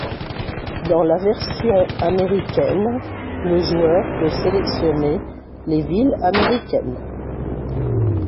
Dans la version américaine, le joueur peut sélectionner les villes américaines.